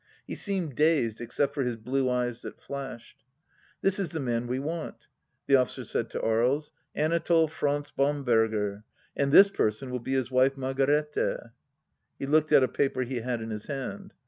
He seemed dazed, except for his blue eyes that flashed. ..." This is the man we want," the officer said to Aries. " Anatole Franz Bamberger. And this person will be his wife Margarethe. ..." He looked at a paper he had in his hand.